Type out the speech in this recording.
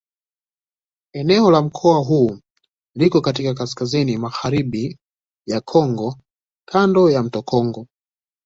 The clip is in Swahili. Eneo la mkoa huu liko katika kaskazini-magharibi ya Kongo kando ya mto Kongo.